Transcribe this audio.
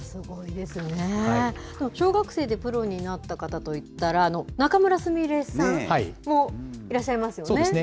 でも小学生でプロになった方といったら、仲邑菫さんもいらっしゃいますよね。